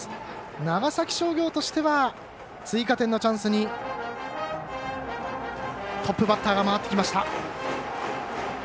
長崎商業としては追加点のチャンスにトップバッターが回ってきました。